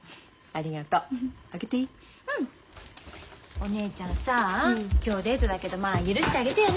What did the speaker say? お姉ちゃんさあ今日デートだけどまあ許してあげてよね。